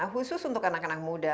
khusus untuk anak anak muda